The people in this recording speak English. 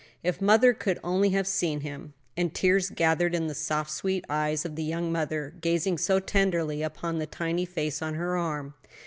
"If mother could only have seen him!" And tears gathered in the soft, sweet eyes of the young mother gazing so tenderly upon the tiny face on her arm.